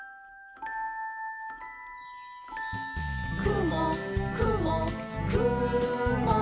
「くもくもくも」